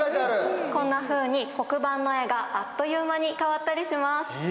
こんなふうに黒板の絵があっという間に変わったりします。